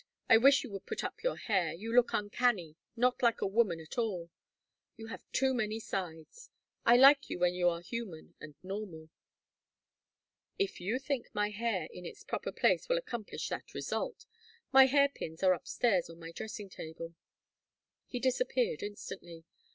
I wish you would put up your hair. You look uncanny, not like a woman at all. You have too many sides. I like you when you are human and normal." "If you think my hair in its proper place will accomplish that result my hair pins are up stairs on my dressing table " He disappeared instantly.